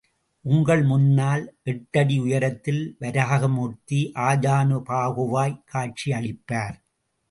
உங்கள் முன்னால் எட்டடி உயரத்தில் வராகமூர்த்தி ஆஜானுபாகுவாய் காட்சியளிப்பார்.